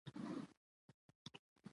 دا ټول صفتونه به سړي ته منسوب شي.